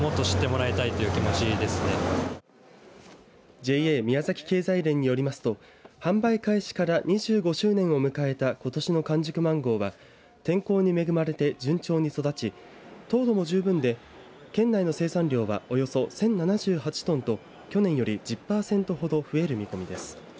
ＪＡ宮崎経済連によりますと販売開始から２５周年を迎えたことしの完熟マンゴーは天候に恵まれて順調に育ち、糖度も十分で県内の生産量はおよそ１０７８トンと去年より１０パーセントほど増える見込みです。